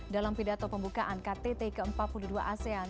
dalam pidato pembukaan ktt ke empat puluh dua asean